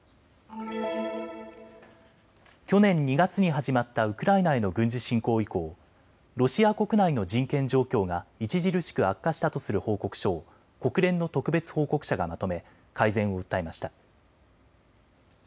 去年２月に始まったウクライナへの軍事侵攻以降、ロシア国内の人権状況が著しく悪化したとする報告書を国連の特別報告者がまとめ改善を訴えました。